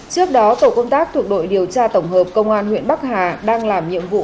trước đó tổ công tác thuộc đội điều tra tổng hợp công an huyện bắc hà đang làm nhiệm vụ